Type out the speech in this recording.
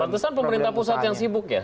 ratusan pemerintah pusat yang sibuk ya